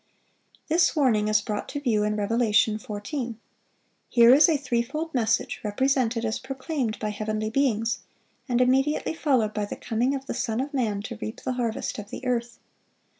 This warning is brought to view in Revelation 14. Here is a threefold message represented as proclaimed by heavenly beings, and immediately followed by the coming of the Son of man "to reap the harvest of the earth."